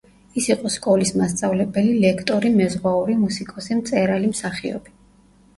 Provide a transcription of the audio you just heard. ის იყო სკოლის მასწავლებელი, ლექტორი, მეზღვაური, მუსიკოსი, მწერალი, მსახიობი.